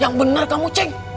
yang bener kamu ceng